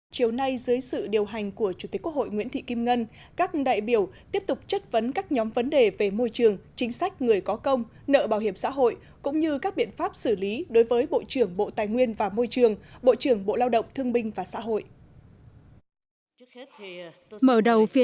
chiều nay dưới sự điều hành của chủ tịch quốc hội nguyễn thị kim ngân các đại biểu tiếp tục chất vấn các nhóm vấn đề về môi trường chính sách người có công nợ bảo hiểm xã hội cũng như các biện pháp xử lý đối với bộ trưởng bộ tài nguyên và môi trường bộ trưởng bộ lao động thương binh và xã hội